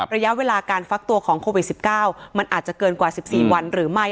ระยะเวลาการฟักตัวของโควิด๑๙มันอาจจะเกินกว่า๑๔วันหรือไม่